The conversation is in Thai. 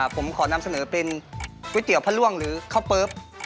ผมขอนำเสนอเป็นก๋วยเตี๋ยวพระร่วงหรือข้าวเปิ๊บ